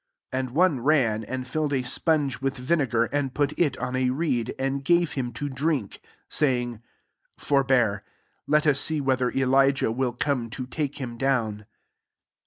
36 And one ran, and filled a sponge with vinegar, and put it on a reed, and gave him to dnnk^ saying, " Forbear ; let us see whether Elijah will come to take him down."